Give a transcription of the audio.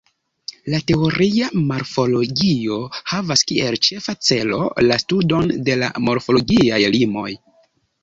La teoria morfologio havas kiel ĉefa celo la studon de la morfologiaj limoj.